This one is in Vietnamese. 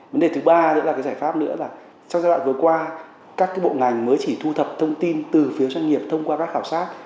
vấn đề thứ ba nữa là cái giải pháp nữa là trong giai đoạn vừa qua các bộ ngành mới chỉ thu thập thông tin từ phiếu doanh nghiệp thông qua các khảo sát